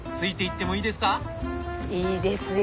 いいですよ。